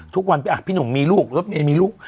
ทุกวันไปอ่ะพี่หนุ่มมีลูกแล้วพี่หนุ่มมีลูก